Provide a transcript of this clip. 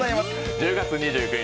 １０月２９日